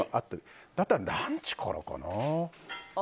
だったら、ランチからかな。